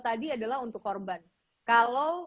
tadi adalah untuk korban kalau